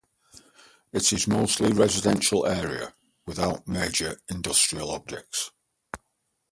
It is mostly residential area without major industrial objects.